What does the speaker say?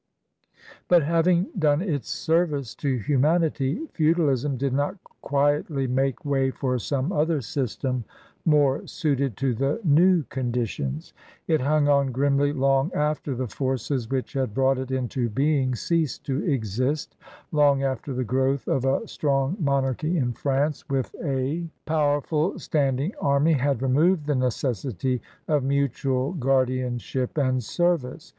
But, having done its service to humanity, feudal ism did not quietly make way for some other system more suited to the new conditions. It hung on grimly long after the forces which had brought it into being ceased to exist, long after the growth of a strong monarchy in France with a 136 CRUSADEBS OF NEW FRANCE powerful standing anny had removed the necessity of mutual guardianship and service.